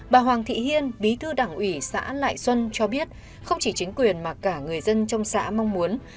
bà hoàng thị hiên bí thư đảng ủy xã lại xuân cho biết không chỉ chính quyền mà cả người dân trong xã mong muốn